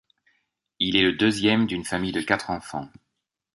Il est le deuxième d'une famille de quatre enfants.